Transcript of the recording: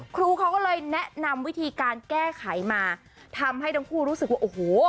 ครูเขาก็เลยแนะนำวิธีการแก้ไขมาทำให้ทั้งคู่รู้สึกว่าโอ้โห